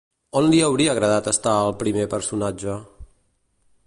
On li hauria agradat estar al primer personatge?